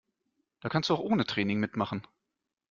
Da kannst du auch ohne Training mitmachen.